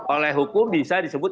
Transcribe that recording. oleh hukum bisa disebut